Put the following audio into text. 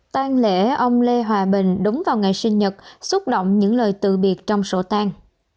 tăng lễ ông lê hòa bình đúng vào ngày sinh nhật xúc động những lời từ biệt trong sổ tăng